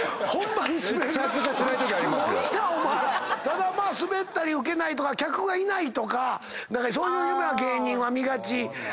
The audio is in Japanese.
ただスベったりウケないとか客がいないとかそういう夢は芸人は見がち。